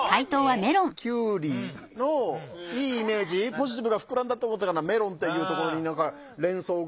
ポジティブが膨らんだって思ったからメロンっていうところに何か連想が。